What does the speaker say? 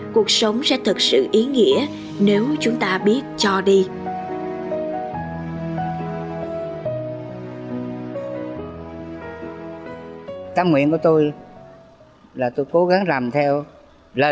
cuộc sống của ông tám hòa